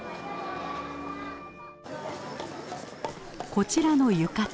こちらの浴衣